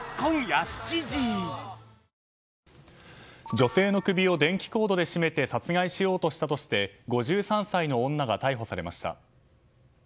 女性の首を電気コードで絞めて殺害しようとしたとして５３歳の女が逮捕されました。